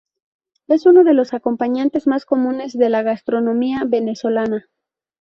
Es uno de los acompañantes más comunes de la gastronomía venezolana.